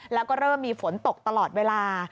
แล้วก็เริ่มมีฝนตกตลอดเวลา